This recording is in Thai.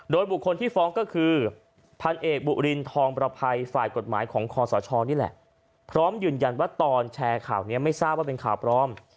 โดยบุคคลที่ฟ้องก็คือพันเอกบุรินทองประภัยฝ่ายกฎหมายของคอสชนี่แหละพร้อมยืนยันว่าตอนแชร์ข่าวนี้ไม่ทราบว่าเป็นข่าวปลอม